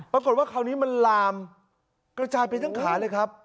ปรากฏว่าคราวนี้มันลามกระจายไปทั้งขาเลยครับ